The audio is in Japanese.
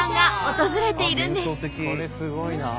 これすごいな。